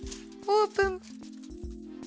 オープン！